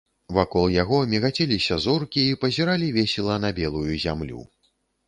Вакол яго мігацеліся зоркі і пазіралі весела на белую зямлю.